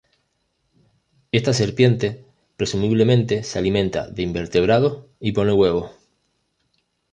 Esta serpiente presumiblemente se alimenta de invertebrados y pone huevos.